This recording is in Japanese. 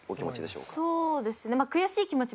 そうですね。